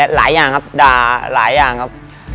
หลายอย่างครับด่าหลายอย่างครับ